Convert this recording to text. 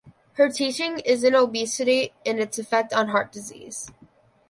Her teaching is in obesity and its effect on heart disease.